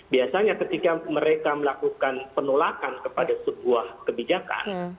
biasanya ketika mereka melakukan penolakan kepada sebuah kebijakan